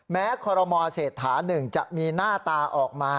แม้คอรมรเสร็จฐานหนึ่งจะมีหน้าตาออกมา